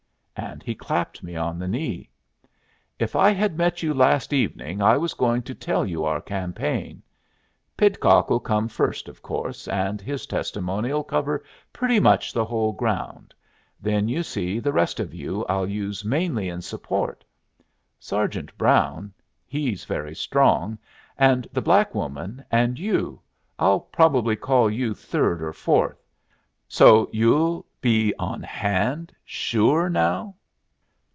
And he clapped me on the knee. "If I had met you last evening I was going to tell you our campaign. Pidcock'll come first, of course, and his testimony'll cover pretty much the whole ground. Then, you see, the rest of you I'll use mainly in support. Sergeant Brown he's very strong, and the black woman, and you I'll probably call you third or fourth. So you'll be on hand sure now?"